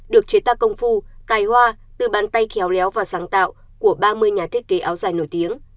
được chế tạo công phu tài hoa từ bàn tay khéo léo và sáng tạo của ba mươi nhà thiết kế áo dài nổi tiếng